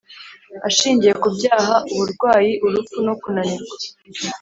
ashingiye ku byaha uburwayi urupfu no kunanirwa